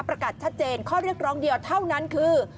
ประกาศชัดเจนข้อเรียกร้องเดียวเท่านั้นคือ